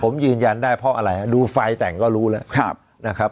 ผมยืนยันได้เพราะอะไรดูไฟแต่งก็รู้แล้วนะครับ